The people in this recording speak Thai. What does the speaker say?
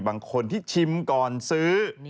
บางคนที่ชิมก่อนซื้อ